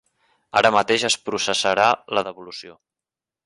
Ara mateix es processarà la devolució.